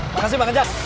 makasih bang kejar